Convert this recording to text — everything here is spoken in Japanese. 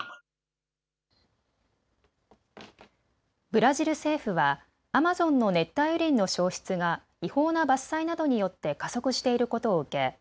ブラジル政府はアマゾンの熱帯雨林の消失が違法な伐採などによって加速していることを受け